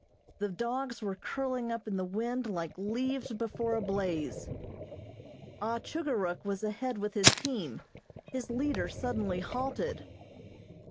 The dogs were curling up in the wind like leaves before a blaze. Ah Chugor Ruk was ahead with his team. His leader suddenly halted.